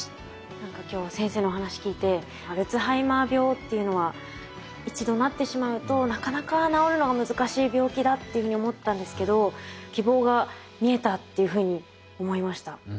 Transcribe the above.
何か今日先生のお話聞いてアルツハイマー病っていうのは一度なってしまうとなかなか治るのが難しい病気だっていうふうに思ってたんですけど希望が見えたっていうふうに思いました。